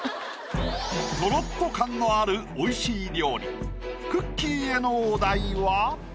トロっと感のある美味しい料理くっきー！へのお題は。